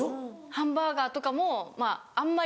ハンバーガーとかもあんまり。